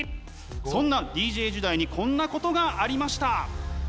そんなＤＪ時代にこんなことがありました。